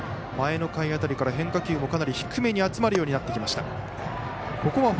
前の回から変化球もかなり低めに集まるようになってきました。